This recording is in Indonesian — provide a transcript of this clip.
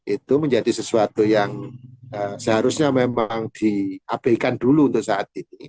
itu menjadi sesuatu yang seharusnya memang di api kan dulu untuk saat itu